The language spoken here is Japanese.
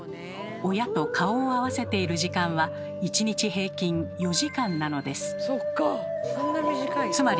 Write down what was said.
親と顔を合わせている時間は１日平均４時間なのです。